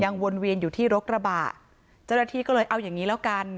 วนเวียนอยู่ที่รถกระบะเจ้าหน้าที่ก็เลยเอาอย่างงี้แล้วกัน